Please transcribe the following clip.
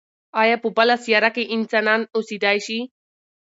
ایا په بله سیاره کې انسانان اوسېدای شي؟